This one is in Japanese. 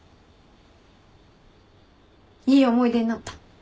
いい思い出になった。